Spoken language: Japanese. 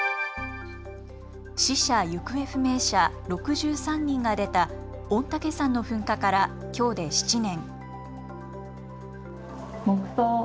死者・行方不明者６３人が出た御嶽山の噴火からきょうで７年。